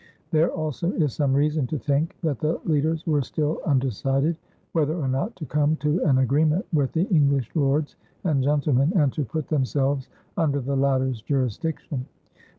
There also is some reason to think that the leaders were still undecided whether or not to come to an agreement with the English lords and gentlemen and to put themselves under the latter's jurisdiction.